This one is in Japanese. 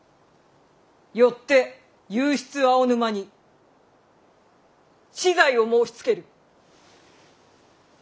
よって右筆青沼に死罪を申しつける。